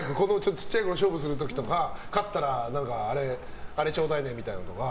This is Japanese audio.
小さいころ勝負する時に勝ったらあれちょうだいねみたいなのとか。